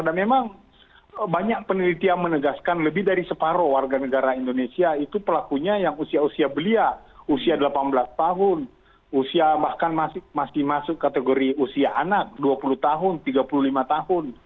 dan memang banyak penelitian menegaskan lebih dari separoh warga negara indonesia itu pelakunya yang usia usia belia usia delapan belas tahun usia bahkan masih masuk kategori usia anak dua puluh tahun tiga puluh lima tahun